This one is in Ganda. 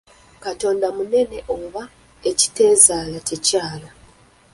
Katonda munene; oba ekiteezaala tekyala!